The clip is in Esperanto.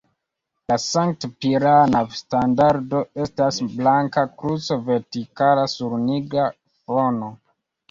La sankt-pirana standardo estas blanka kruco vertikala sur nigra fono.